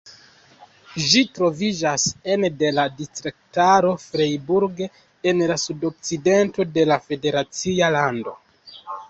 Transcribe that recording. Ĝi troviĝas ene de la distriktaro Freiburg, en la sudokcidento de la federacia lando.